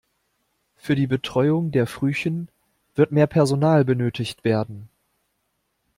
Für die Betreuung der Frühchen wird mehr Personal benötigt werden.